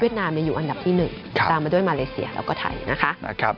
เวียดนามเนี่ยอยู่อันดับที่๑ตามมาด้วยมาเลเซียแล้วก็ไทยนะครับ